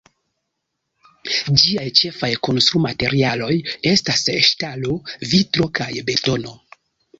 Ĝiaj ĉefaj konstrumaterialoj estas ŝtalo, vitro kaj betono.